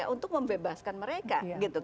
untuk membebaskan mereka